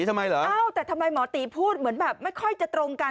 ทำไมเหรอเอ้าแต่ทำไมหมอตีพูดเหมือนแบบไม่ค่อยจะตรงกัน